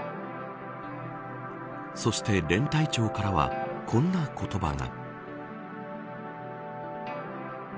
そして、連隊長からはこんな言葉が。